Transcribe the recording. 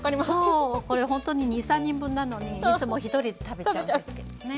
そうこれほんとに２３人分なのにいつも１人で食べちゃうんですけどね。